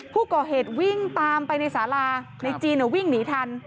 ผู้ก่อเหตุวิ่งตามไปในสาราในจีนวิ่งหนีทัน